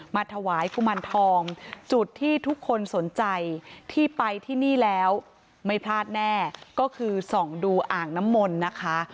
มาถวายกุมารทองจุดที่ทุกคนสนใจที่ไปที่นี่แล้วไม่พลาดแน่ก็คือส่องดูอ่างน้ำมนต์นะคะ